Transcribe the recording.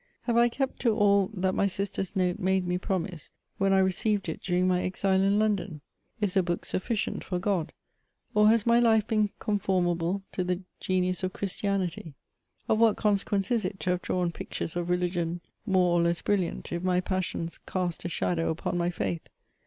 Have I kept to all that my sister's note made me promise, when I recdved it during my exile in London? Is « book suffieient for Gk)d? Or« has my life been conformable to the Gcwtttf of Christiamly 9 Of what consequence is it to have drawn pic tures of religion more or less brilliant^ if my passions cast a shadow upon my faith